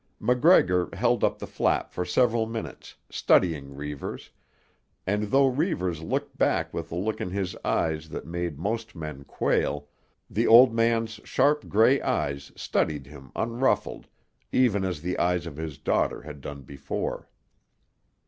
MacGregor held up the flap for several minutes, studying Reivers, and though Reivers looked back with the look in his eyes that made most men quail, the old man's sharp grey eyes studied him unruffled, even as the eyes of his daughter had done before.